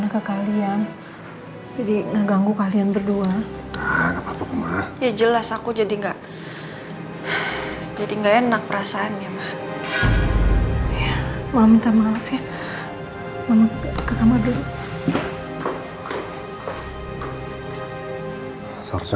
ke kalian jadi ngeganggu kalian berdua ya jelas aku jadi nggak jadi nggak enak perasaan ya maaf ya